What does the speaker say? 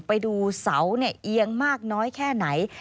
ไปดูเสาเนี่ยเอียงมากน้อยแค่ไหน